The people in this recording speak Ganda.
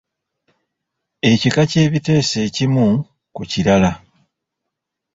Ekika ky'ebiteeso ekimu ku kirala.